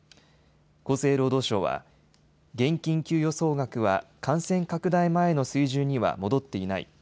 厚生労働省は現金給与総額は感染拡大前の水準には戻っていない。